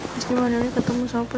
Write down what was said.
mas dimarino ini ketemu sama apa